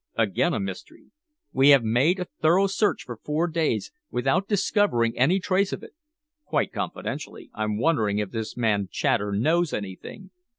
"Again a mystery. We have made a thorough search for four days, without discovering any trace of it. Quite confidentially, I'm wondering if this man Chater knows anything.